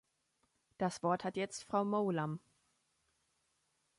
Das Wort hat jetzt Frau Mowlam.